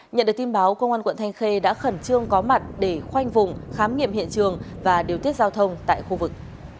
nhận được tin báo công an quận thanh khê đã khẩn trương có mặt để khoanh vùng khám nghiệm hiện trường và điều tiết giao thông tại khu vực